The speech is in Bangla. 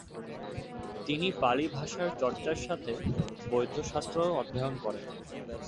তিনি পালি ভাষার চর্চার সাথে বৌদ্ধশাস্ত্রও অধ্যয়ন করেন।